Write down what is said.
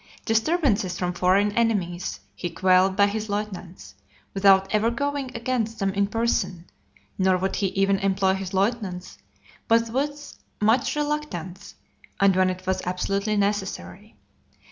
Disturbances from foreign enemies he quelled by his lieutenants, without ever going against them in person; nor would he even employ his lieutenants, but with much reluctance, and when it was absolutely necessary.